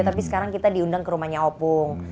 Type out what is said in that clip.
tapi sekarang kita diundang ke rumahnya opung